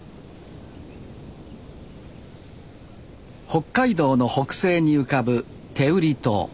北海道の北西に浮かぶ天売島。